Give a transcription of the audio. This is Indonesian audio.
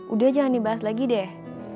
udah jangan dibahas lagi deh